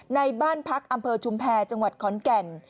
ในบ้านพักอำเภอชุมแพรจังหวัดขอนแก่น